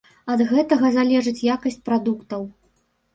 Ад гэтага залежыць якасць прадуктаў.